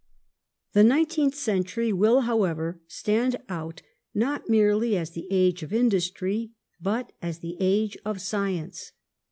The nineteenth century will, however, stand out not merely as the age of Industry but as the age of Science.